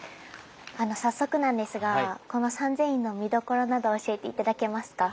早速なんですがこの三千院の見どころなど教えて頂けますか？